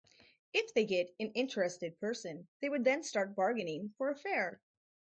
If they get an interested person they would then start bargaining for a fare.